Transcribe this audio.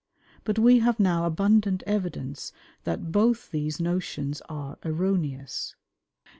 But we have now abundant evidence that both these notions are erroneous.